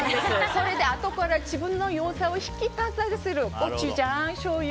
それであとから自分の良さを引き立たせるコチュジャン、しょうゆ